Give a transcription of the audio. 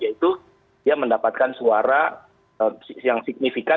yaitu dia mendapatkan suara yang signifikan